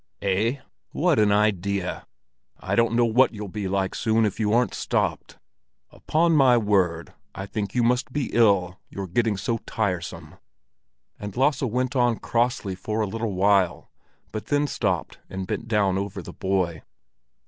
"Eh, what an idea! I don't know what you'll be like soon, if you aren't stopped! Upon my word, I think you must be ill, you're getting so tiresome!" And Lasse went on crossly for a little while, but then stopped and bent down over the boy.